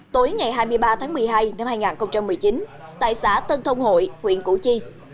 tối ngày hai mươi ba tháng một mươi hai năm hai nghìn một mươi chín tại xã tân thông hội huyện củ chi